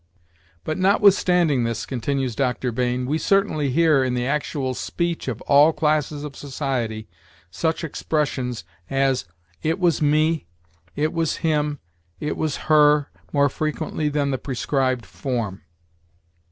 But, notwithstanding this," continues Dr. Bain, "we certainly hear in the actual speech of all classes of society such expressions as 'it was me,' 'it was him,' 'it was her,' more frequently than the prescribed form.